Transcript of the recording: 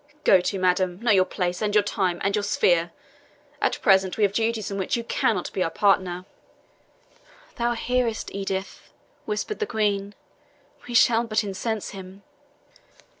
Go to, madam, know your place, and your time, and your sphere. At present we have duties in which you cannot be our partner." "Thou hearest, Edith," whispered the Queen; "we shall but incense him."